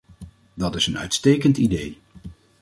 Dat is een uitstekend idee.